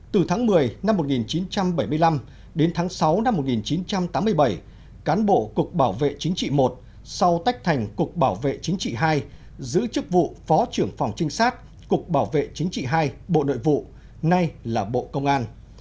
từ tháng một mươi năm một nghìn chín trăm bảy mươi năm đến tháng sáu năm một nghìn chín trăm tám mươi bảy cán bộ cục bảo vệ chính trị một sau tách thành cục bảo vệ chính trị hai giữ chức vụ phó trưởng phòng trinh sát cục bảo vệ chính trị hai bộ nội vụ nay là bộ công an